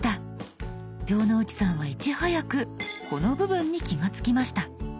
城之内さんはいち早くこの部分に気が付きました。